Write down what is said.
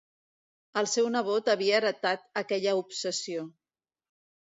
El seu nebot havia heretat aquella obsessió.